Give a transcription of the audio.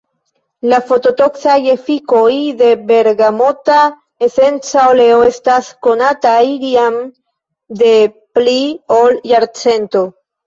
La fototoksaj efikoj de bergamota esenca oleo estas konataj jam de pli ol jarcento.